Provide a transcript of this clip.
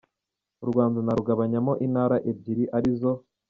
u Rwanda narugabanyamo intara ebyiri arizo: